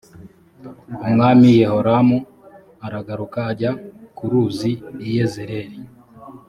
umwami yehoramu c aragaruka ajya kw uriza i yezereli